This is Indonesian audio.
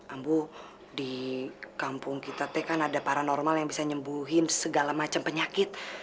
ambu di kampung kita teh kan ada paranormal yang bisa nyembuhin segala macam penyakit